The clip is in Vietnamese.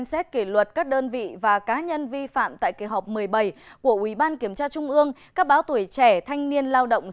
xin chào các bạn